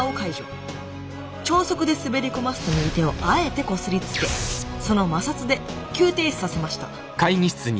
超速で滑り込ませた右手をあえてこすりつけその摩擦で急停止させました。